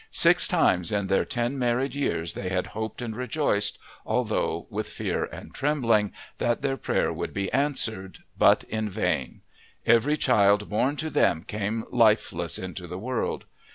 Six times in their ten married years they had hoped and rejoiced, although with fear and trembling, that their prayer would be answered, but in vain every child born to them came lifeless into the world.